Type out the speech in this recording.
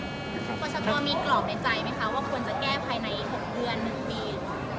ประชากรมีกรอบในใจไหมคะว่าควรจะแก้ภายใน๖เดือน๑ปี